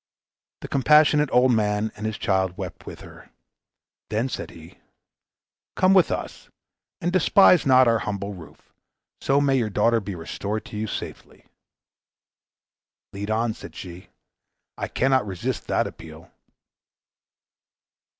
The compassionate old man and his child wept with her. Then said he, "Come with us, and despise not our humble roof; so may your daughter be restored to you in safety." "Lead on," said she, "I cannot resist that appeal!"